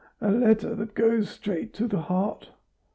A letter that goes straight to the heart